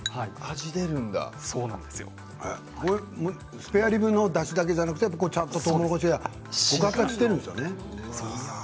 スペアリブのだしだけじゃなくてとうもろこしもご活躍しているんですよね。